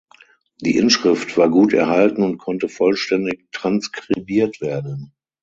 Die Inschrift war gut erhalten und konnte vollständig transkribiert werden.